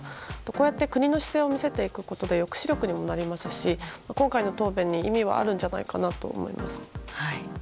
こうやって国の姿勢を見せていくことで抑止力にもなりますし今回の答弁に意味はあるんじゃないかと思います。